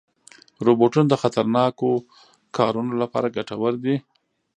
روبوټونه د خطرناکو کارونو لپاره ګټور دي.